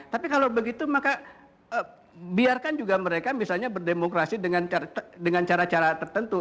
tapi kalau begitu maka biarkan juga mereka misalnya berdemokrasi dengan cara cara tertentu